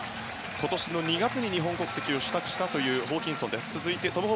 今年の２月に日本国籍を取得したホーキンソンです。